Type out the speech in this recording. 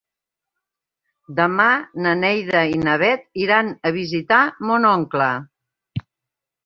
Demà na Neida i na Bet iran a visitar mon oncle.